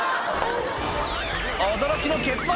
驚きの結末